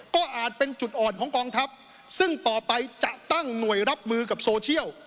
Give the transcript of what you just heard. ก็อาจเป็นจุดอ่อนของกองทัพซึ่งต่อไปจะตั้งหน่วยรับมือกับโซเชียล